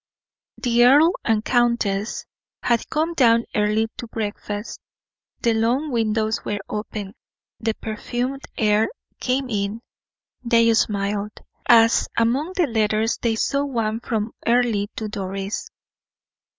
The earl and countess had come down early to breakfast the long windows were open the perfumed air came in. They smiled, as among the letters they saw one from Earle to Doris.